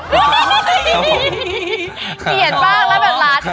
เหมือนอารมณ์บรรพบิจนาว